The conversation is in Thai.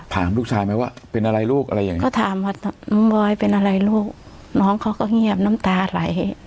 ถามลูกชายไหมว่าเป็นอะไรลูกอะไรอย่างนี้เขาถามว่าน้องบอยเป็นอะไรลูกน้องเขาก็เงียบน้ำตาไหล